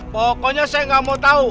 pokoknya saya nggak mau tahu